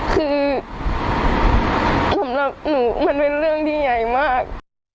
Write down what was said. คือสำหรับหนูมันเป็นเรื่องที่ใหญ่มาก